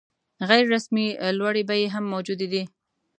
غیر رسمي لوړې بیې هم موجودې دي.